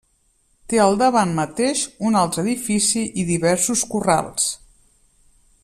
Té al davant mateix un altre edifici i diversos corrals.